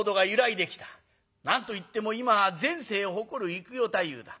何と言っても今全盛を誇る幾代太夫だ。